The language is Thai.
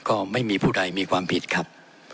ก็ไม่มีผู้ใดมีความผิดครับ